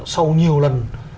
sau nhiều lần